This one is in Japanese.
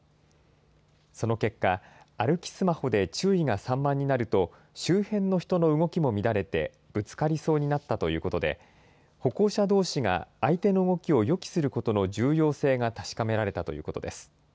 その結果、歩きスマホで注意が散漫になると、周辺の人の動きも乱れて、ぶつかりそうになったということで、歩行者どうしが相手の動きを予期することの重要性が確かめられたということです。